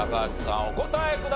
お答えください。